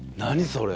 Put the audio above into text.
それ。